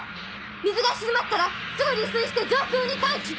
水が静まったらすぐ離水して上空に待機！